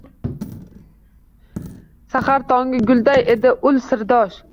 Sahar tongi guldek edi ul sirdosh